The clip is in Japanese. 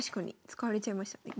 使われちゃいましたね。